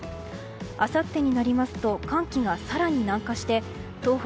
あさってになりますと寒気が更に南下して東北、